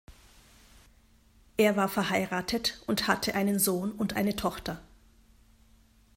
Er war verheiratet und hatte einen Sohn und eine Tochter.